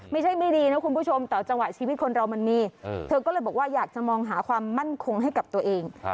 ไม่ใช่ไม่ดีนะคุณผู้ชมแต่จังหวะชีวิตคนเรามันมีเธอก็เลยบอกว่าอยากจะมองหาความมั่นคงให้กับตัวเอง